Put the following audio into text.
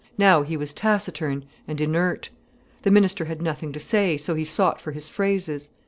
Now he was taciturn, and inert. The minister had nothing to say, so he sought for his phrases.